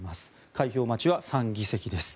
開票待ちは３議席です。